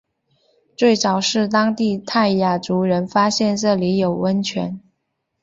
最早是当地泰雅族人发现这里有温泉。